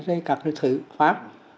đây là các thử pháp